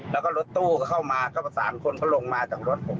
แล้วก็รถตู้เข้ามาก็๓คนเขาลงมาจากรถผม